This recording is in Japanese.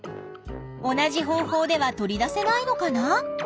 同じ方法では取り出せないのかな？